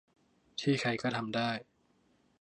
ที่ใครก็ทำได้